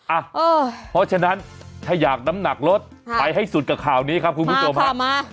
อ่ะเออเพราะฉะนั้นถ้าอยากน้ำหนักลดฮะไปให้สุดกับข่าวนี้ครับคุณพุทธตัวพระมาค่ะมา